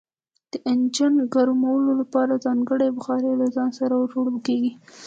د انجن ګرمولو لپاره ځانګړي بخارۍ له ځان سره وړل کیږي